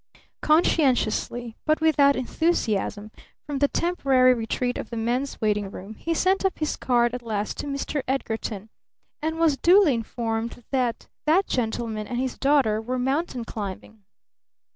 Conscientiously, but without enthusiasm, from the temporary retreat of the men's writing room, he sent up his card at last to Mr. Edgarton, and was duly informed that that gentleman and his daughter were mountain climbing.